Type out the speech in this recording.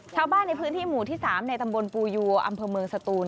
ชาวบ้านในพื้นที่หมู่ที่๓ในตำบลปูยัวอำเภอเมืองสตูน